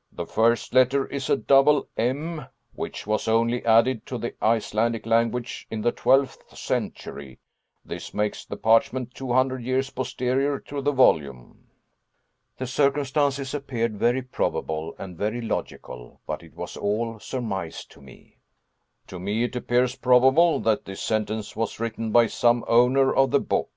] The first letter is a double M, which was only added to the Icelandic language in the twelfth century this makes the parchment two hundred years posterior to the volume." The circumstances appeared very probable and very logical, but it was all surmise to me. "To me it appears probable that this sentence was written by some owner of the book.